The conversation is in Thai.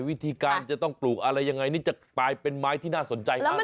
วิธีการจะต้องปลูกอะไรยังไงนี่จะกลายเป็นไม้ที่น่าสนใจมาก